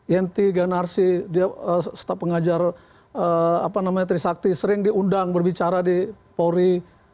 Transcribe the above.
yenti ganarsi dia staf pengajar trisakti sering diundang berbicara di polri